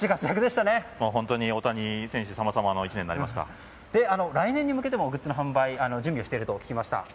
本当に大谷選手さまさまの来年に向けてもグッズの販売準備していると聞きました。